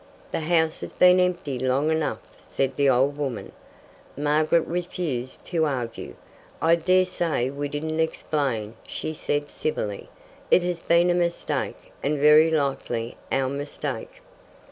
"The house has been empty long enough," said the old woman. Margaret refused to argue. "I dare say we didn't explain," she said civilly. "It has been a mistake, and very likely our mistake."